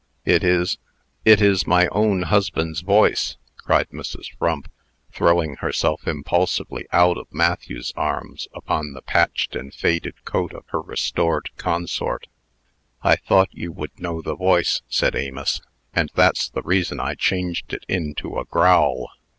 "It is it is my own 'husband's voice!" cried Mrs. Frump, throwing herself impulsively out of Matthew's arms upon the patched and faded coat of her restored consort. "I thought you would know the voice," said Amos, "and that's the reason I changed it into a growl.